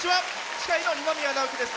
司会の二宮直輝です。